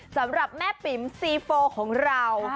สำหรับแม่ปิ๋มซีโฟของเรา